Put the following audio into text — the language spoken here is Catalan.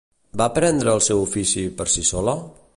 Va aprendre el seu ofici per si sola?